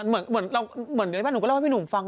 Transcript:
เหมือนเดี๋ยวไหนบ้างหนูก็เล่าให้พี่หนุ่มฟัง